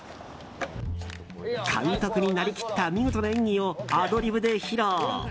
監督になりきった見事な演技をアドリブで披露。